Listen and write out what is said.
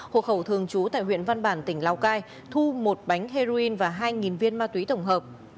hộ khẩu thường trú tại huyện văn bản tỉnh lào cai thu một bánh heroin và hai viên ma túy tổng hợp